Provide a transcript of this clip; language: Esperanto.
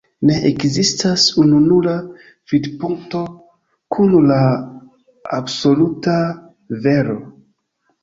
Ne ekzistas ununura vidpunkto kun la absoluta vero.